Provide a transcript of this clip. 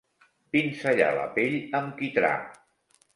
Pinzellar la pell amb quitrà.